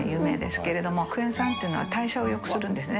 クエン酸っていうのは代謝を良くするんですね。